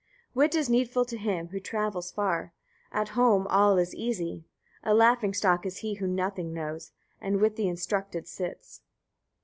5. Wit is needful to him who travels far: at home all is easy. A laughing stock is he who nothing knows, and with the instructed sits.